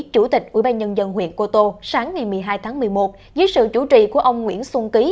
chủ tịch ủy ban nhân dân huyện cô tô sáng ngày một mươi hai tháng một mươi một dưới sự chủ trì của ông nguyễn xuân ký